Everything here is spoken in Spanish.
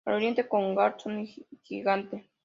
Al oriente con Garzón y Gigante.